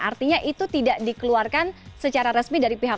artinya itu tidak dikeluarkan secara resmi dari pihak